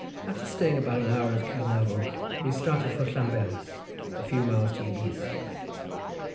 After staying about an hour at Caernarvon we started for Llanberis, a few miles to the east.